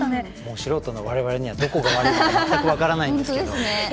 素人のわれわれにはどこが悪いのか全く分からないですけれども。